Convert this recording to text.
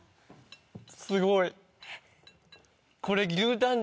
すごい！